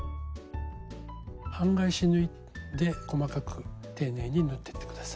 半返し縫いで細かく丁寧に縫ってって下さい。